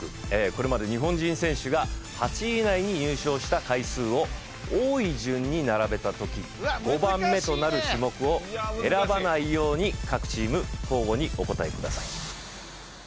これまで日本人選手が８位以内に入賞した回数を多い順に並べた時５番目となる種目を選ばないように各チーム交互にお答えください